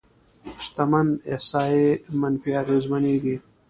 شتمنۍ احصایې منفي اغېزمنېږي.